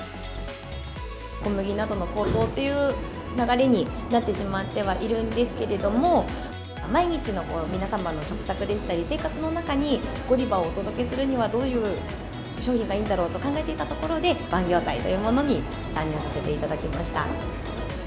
小麦などの高騰っていう流れになってしまってはいるんですけれども、毎日の皆様の食卓でしたり、生活の中にゴディバをお届けするにはどういう商品がいいんだろうと考えていたところで、パン業態というものに参入させていただきました。